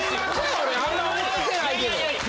俺あんま覚えてないけど。